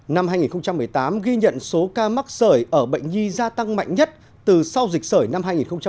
năm hai nghìn một mươi tám ghi nhận số ca mắc sởi ở bệnh nhi gia tăng mạnh nhất từ sau dịch sởi năm hai nghìn một mươi tám